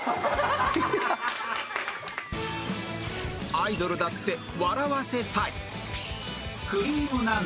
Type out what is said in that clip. アイドルだって笑わせたい！